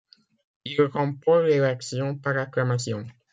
Il remporte l’élection par acclamation.